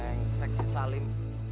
rengsek si salim